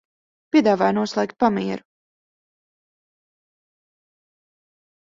Piedāvāju noslēgt pamieru.